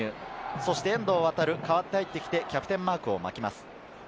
そして遠藤航、代わって入ってきてキャプテンマークを巻きます。